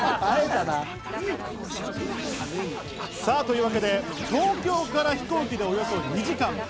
会えたな。というわけで、東京から飛行機でおよそ２時間。